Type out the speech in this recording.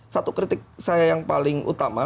satu kritik saya yang paling utama